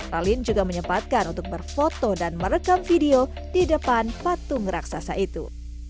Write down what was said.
ralin juga menyempatkan untuk berfoto dan merekam video di depan patung raksasa itu